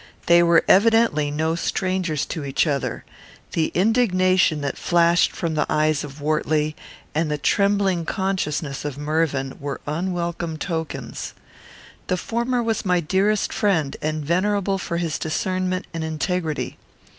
They were evidently no strangers to each other. The indignation that flashed from the eyes of Wortley, and the trembling consciousness of Mervyn, were unwelcome tokens. The former was my dearest friend, and venerable for his discernment and integrity.